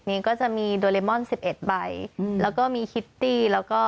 นี้ก็จะมีโดเรมอนสิบเอ็ดใบอืมแล้วก็มีคิตตี้แล้วก็